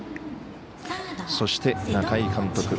そして、中井監督。